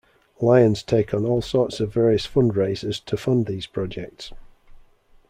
Lions take on all sorts of various fundraisers to fund these projects.